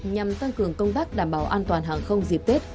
nhằm tăng cường công tác đảm bảo an toàn hàng không dịp tết